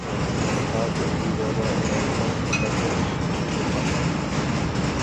ھازىر دېلوغا ئالاقىدار خىزمەتلەر ئېلىپ بېرىلماقتا.